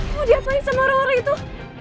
mau diapain sama orang orang itu